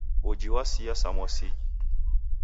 Uji wasia samosinyi.